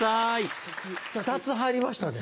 ２つ入りましたね。